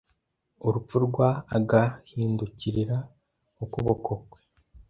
Urupfu rwa agahindukirira nk ukuboko kwe